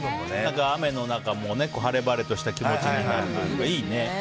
雨の中晴れ晴れとした気持ちになっていいね。